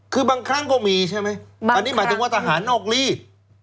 คือบางครั้งก็มีใช่ไหมอันนี้หมายถึงว่าทหารนอกรีด